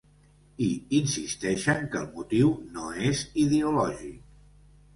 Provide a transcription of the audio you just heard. I insisteixen que el motiu no és ideològic.